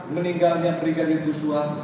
meninggalnya brigadir joshua